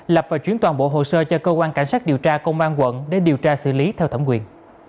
lập và chuyển toàn bộ hồ sơ cho cơ quan cảnh sát điều tra công an quận để điều tra xử lý theo thẩm quyền